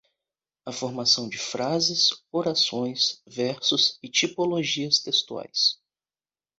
A formação de frases, orações, versos e tipologias textuais